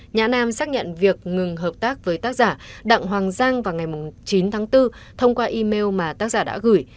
nhã nam xác nhận việc ngừng hợp tác với tác giả đặng hoàng giang vào ngày chín tháng bốn thông qua email mà tác giả đã gửi